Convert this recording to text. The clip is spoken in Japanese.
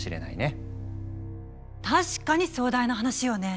確かに壮大な話よね。